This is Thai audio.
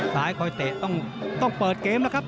สายคอยเตะต้องเปิดเกมนะครับ